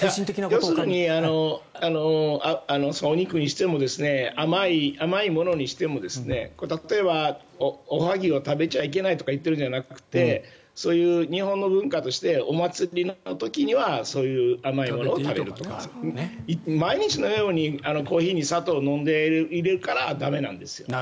要するにお肉にしても甘いものにしても例えばおはぎを食べちゃいけないと言っているわけじゃなくてそういう日本の文化としてお祭りの時にはそういう甘いものを食べるとか毎日のようにコーヒーに砂糖を入れるから駄目なんですよ。